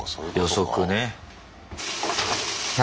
予測ね。